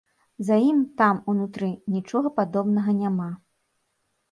За ім, там, унутры, нічога падобнага няма.